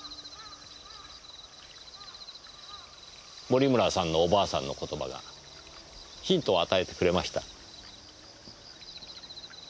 森村さんのおばあさんの言葉がヒントを与えてくれました。